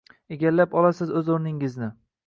Egallab olasiz o’z o’rningizni!